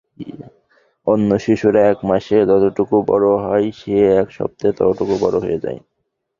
অন্য শিশুরা এক মাসে যতটুকু বড় হয় সে এক সপ্তাহে ততটুকু বড় হয়ে যায়।